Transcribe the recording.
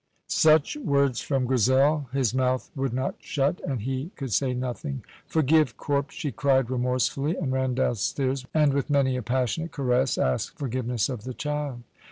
Such words from Grizel! His mouth would not shut and he could say nothing. "Forgive me, Corp!" she cried remorsefully, and ran downstairs, and with many a passionate caress asked forgiveness of the child.